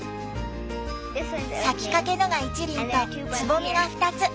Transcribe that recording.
咲きかけのが一輪とつぼみが２つ。